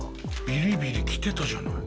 ビリビリきてたじゃない。